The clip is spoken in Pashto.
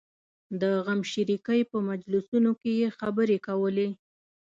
د غمشریکۍ په مجلسونو کې یې خبرې کولې.